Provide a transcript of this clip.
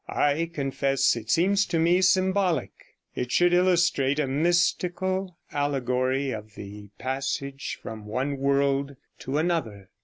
I confess it seems to me symbolic; it should illustrate a mystical allegory of the passage from one world to another.'